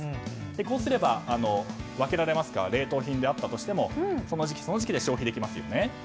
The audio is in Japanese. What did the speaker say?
こうすれば、分けられますから冷凍品であったとしてもその時期、その時期で消費できますよね。